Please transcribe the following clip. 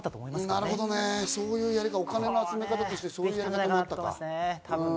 なるほどね、お金の集め方としてそういうやり方もあったか。